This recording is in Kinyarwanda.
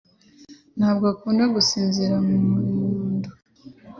ntabwo akunda gusinzira mu nyundo.